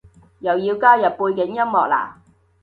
又要加入背景音樂喇？